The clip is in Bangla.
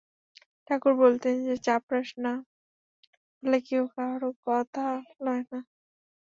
ঠাকুর বলিতেন যে, চাপরাস না পেলে কেহ কাহারও কথা লয় না।